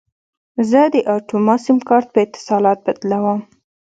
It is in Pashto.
زه د اټوما سیم کارت په اتصالات بدلوم.